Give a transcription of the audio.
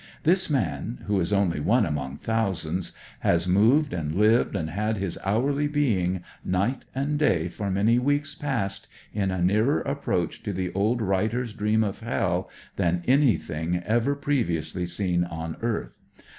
This man— who is only one among thousand*— has moved and lived and had his hourly being night and day for many weeks past in a nearer approach to the old writers* dreams of heU than anything I i i THE COCKNEY FIGHTER 95 ever previously seen on earth.